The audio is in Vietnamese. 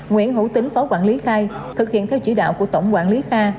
nguyễn hữu tính phó quản lý khai thực hiện theo chỉ đạo của tổng quản lý kha